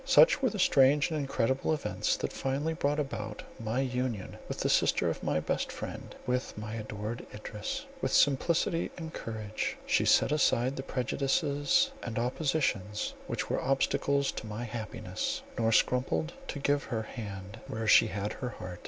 Such were the strange and incredible events, that finally brought about my union with the sister of my best friend, with my adored Idris. With simplicity and courage she set aside the prejudices and opposition which were obstacles to my happiness, nor scrupled to give her hand, where she had given her heart.